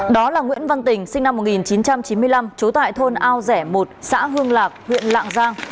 đó là nguyễn văn tình sinh năm một nghìn chín trăm chín mươi năm trú tại thôn ao rẻ một xã hương lạc huyện lạng giang